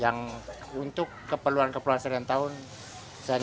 yang untuk keperluan keperluan serentakun yang untuk keperluan keperluan serentakun